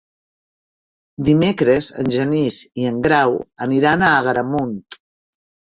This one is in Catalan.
Dimecres en Genís i en Grau aniran a Agramunt.